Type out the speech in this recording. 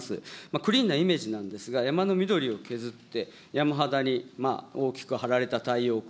クリーンなイメージなんですが、山の緑を削って、山肌に大きく張られた太陽光。